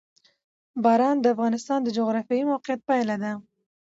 باران د افغانستان د جغرافیایي موقیعت پایله ده.